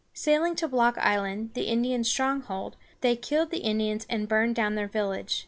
Sailing to Block Island, the Indian stronghold, they killed the Indians and burned down their village.